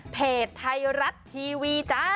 เพจไทยรัฐทีวีจ้า